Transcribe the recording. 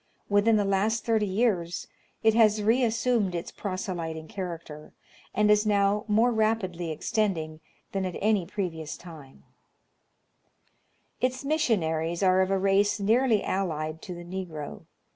Within the last thirty years it has re assumed its proselyting character, and is now more rapidly extending than at any previous time. Africa^ its Past and Future. Ill Its missionaries are of a race nearly allied to the Negro.